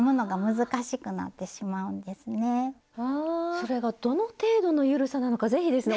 それがどの程度の緩さなのか是非ですね